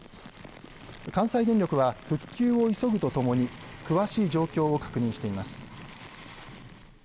関西電力は復旧を急ぐとともに詳しい状況を確認しています。